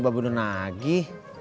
babu udah nagih